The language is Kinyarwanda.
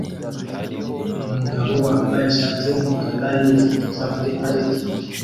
Umugabo wambaye ishati yumukara yifotoza muri parikingi